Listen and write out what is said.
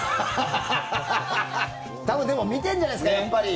多分でも見てるんじゃないですかやっぱり。